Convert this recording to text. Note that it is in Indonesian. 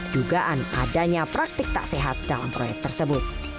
dugaan adanya praktik tak sehat dalam proyek tersebut